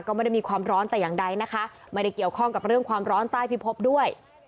ก็ไม่ได้มีความร้อนแต่อย่างใดนะคะไม่ได้เกี่ยวข้องกับเรื่องความร้อนใต้พิพบด้วย